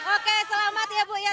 oke selamat ya bu ya